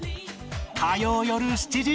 火曜よる７時